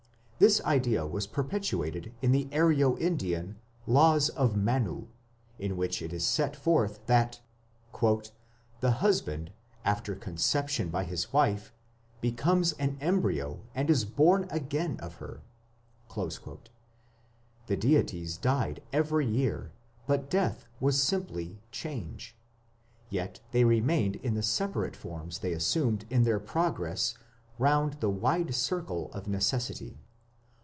This idea was perpetuated in the Aryo Indian Laws of Manu, in which it is set forth that "the husband, after conception by his wife, becomes an embryo and is born again of her". The deities died every year, but death was simply change. Yet they remained in the separate forms they assumed in their progress round "the wide circle of necessity".